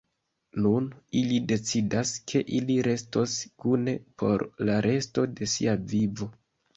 Nun ili decidas, ke ili restos kune por la resto de sia vivo.